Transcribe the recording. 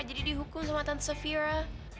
jadi dihukum sama tante safira